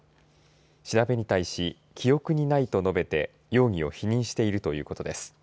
調べに対し記憶にないと述べて容疑を否認しているということです。